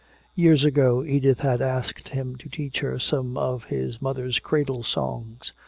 Years ago Edith had asked him to teach her some of his mother's cradle songs.